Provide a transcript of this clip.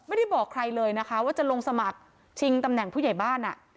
ไม่ได้บอกใครเลยนะคะว่าจะลงสมัครชิงตำแหน่งผู้ใหญ่บ้าน